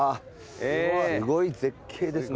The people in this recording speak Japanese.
すごい絶景ですね。